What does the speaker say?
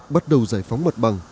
bắt đầu giải phóng mặt bằng